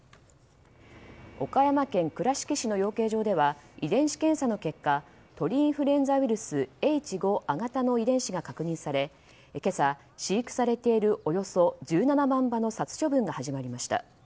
岡山県倉敷市の養鶏場では遺伝子検査の結果鳥インフルエンザウイルスＨ５亜型の遺伝子が確認され今朝、飼育されているおよそ１７万羽の殺処分が始まりました。